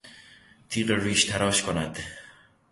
تیغ ریش تراش کند